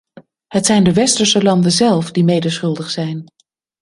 Het zijn de westerse landen zelf die mede schuldig zijn.